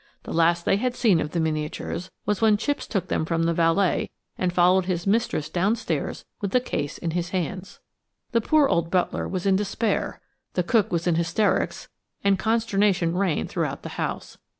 The last they had seen of the miniatures was when Chipps took them from the valet and followed his mistress downstairs with the case in his hands. The poor old butler was in despair; the cook was in hysterics, and consternation reigned throughout the house.